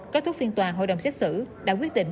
kết thúc phiên tòa hội đồng xét xử đã quyết định